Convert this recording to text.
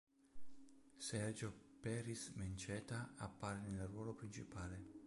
Sergio Peris-Mencheta appare nel ruolo principale.